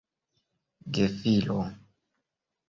gefilo